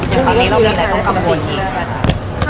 อย่างนี้เราเรียกอะไรของกำบวนค่ะ